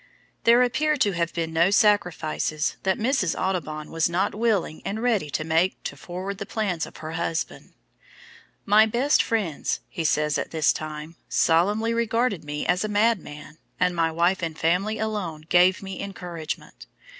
There appear to have been no sacrifices that Mrs. Audubon was not willing and ready to make to forward the plans of her husband. "My best friends," he says at this time, "solemnly regarded me as a mad man, and my wife and family alone gave me encouragement.